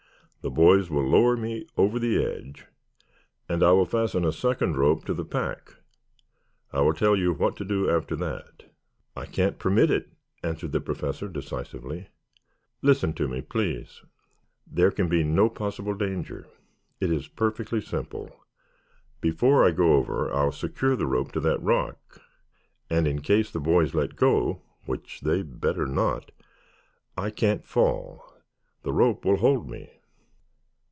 The boys will lower me over the edge and I will fasten a second rope to the pack. I will tell you what to do after that." "I can't permit it!" answered the Professor decisively. "Listen to me, please. There can be no possible danger. It is perfectly simple. Before I go over I'll secure the rope to that rock, and in case the boys let go, which they'd better not, I can't fall; the rope will hold me."